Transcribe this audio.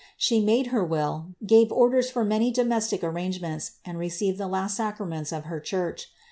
She made her will, gave orders for many domestic arrangements, and received the last sacraments of her church.